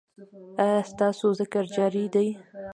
ایا ستاسو ذکر جاری دی؟